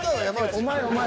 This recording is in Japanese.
お前お前。